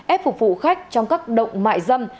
ép phục vụ khách trong các động mại dâm